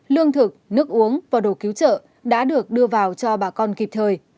lương thực nước uống và đồ cứu trợ đã được đưa vào cho bà con kịp thời